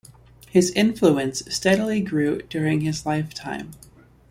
His influence steadily grew during his lifetime.